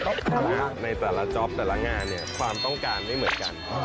โอเคในแต่ละจอบแต่ละงานความต้องการไม่เหมือนกัน